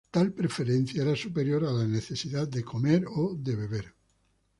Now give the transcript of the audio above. Tal preferencia era superior a la necesidad de comer o de beber.